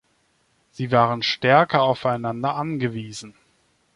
Sie waren stärker aufeinander angewiesen.